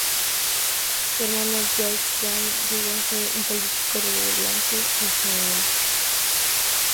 Su hermano, George Vail, llegó a ser un político relevante en su tiempo.